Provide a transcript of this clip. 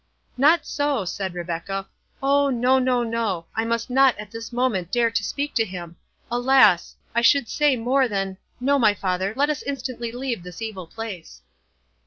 "Not so," said Rebecca, "O no—no—no—I must not at this moment dare to speak to him—Alas! I should say more than—No, my father, let us instantly leave this evil place."